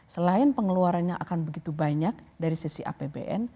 selain pengeluarannya akan begitu banyak dari sisi apbn